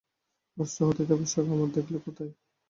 নষ্ট হতে দেবার শখ আমার দেখলে কোথায়।